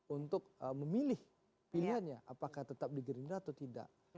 untuk memilih pilihannya apakah tetap di gerindra atau tidak